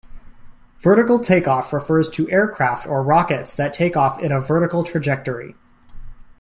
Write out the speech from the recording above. Vertical takeoff refers to aircraft or rockets that take off in a vertical trajectory.